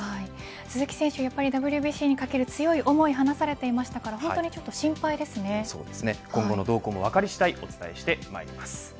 鈴木選手、ＷＢＣに懸ける強い思いを話されていたので今後の動向も分かり次第お伝えしてまいります。